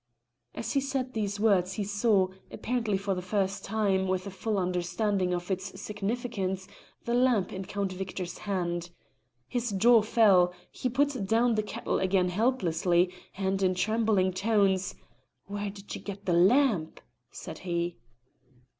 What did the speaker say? As he said these words he saw, apparently for the first time, with a full understanding of its significance, the lamp in Count Victor's hands. His jaw fell; he put down the kettle again helplessly, and, in trembling tones, "Whaur did ye get the lamp?" said he.